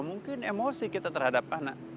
mungkin emosi kita terhadap anak